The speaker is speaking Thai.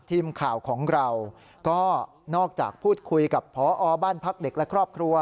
ทีมข่าวของเราก็นอกจากพูดคุยกับพอบ้านพักเด็กและครอบครัว